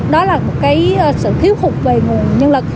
đó là một cái sự thiếu hụt về nguồn nhân lực